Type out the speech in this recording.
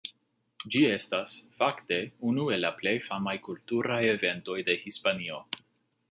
Ĝi estas, fakte, unu el la plej famaj kulturaj eventoj de Hispanio.